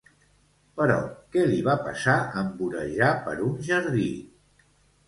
Però què li va passar en vorejar per un jardí?